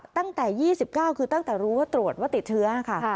ตั้งแต่๒๙คือตั้งแต่รู้ว่าตรวจว่าติดเชื้อค่ะ